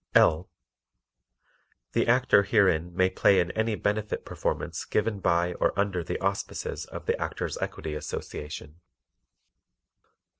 L. The Actor herein may play in any benefit performance given by or under the auspices of the Actors' Equity Association.